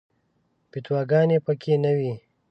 فتواګانې په کې نه وي.